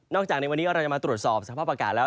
จากในวันนี้เราจะมาตรวจสอบสภาพอากาศแล้ว